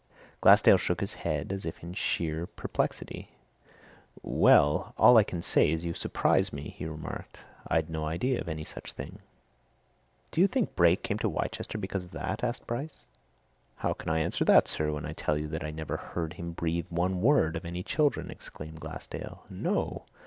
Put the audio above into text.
Glassdale shook his head as if in sheer perplexity. "Well, all I can say is, you surprise me!" he remarked. "I'd no idea of any such thing." "Do you think Brake came to Wrychester because of that?" asked Bryce. "How can I answer that, sir, when I tell you that I never heard him breathe one word of any children?" exclaimed Glassdale. "No!